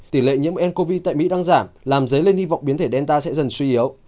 tỷ lệ nhiễm ncov tại mỹ đang giảm làm dấy lên hy vọng biến thể delta sẽ dần suy yếu